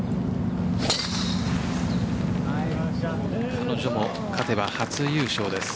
彼女も勝てば初優勝です。